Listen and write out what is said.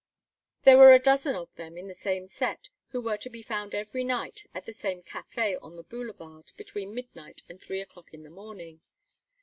There were a dozen of them in the same set, who were to be found every night at the same café on the boulevard between midnight and three o'clock in the morning.